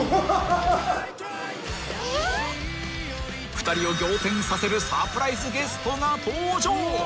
［２人を仰天させるサプライズゲストが登場］